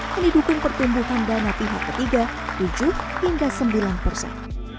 dan didukung pertumbuhan dana pihak ketiga tujuh hingga sembilan persen